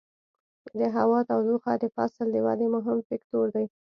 د هوا تودوخه د فصل د ودې مهم فکتور دی.